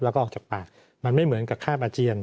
แล้วก็ออกจากปากมันไม่เหมือนกับคาบอาเจียน